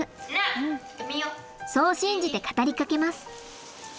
そう信じて語りかけます。